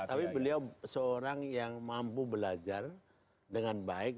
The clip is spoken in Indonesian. tapi beliau seorang yang mampu belajar dengan baik